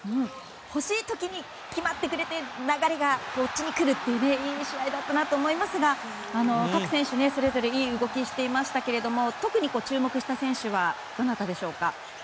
欲しい時に決まってくれて流れがこっちに来るといういい試合だったなと思いますが各選手、それぞれいい動きをしていましたけれども特に注目した選手はどなたでしょうか？